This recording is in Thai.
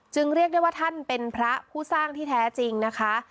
เรียกได้ว่าท่านเป็นพระผู้สร้างที่แท้จริงนะคะ